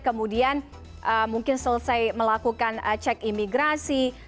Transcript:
kemudian mungkin selesai melakukan cek imigrasi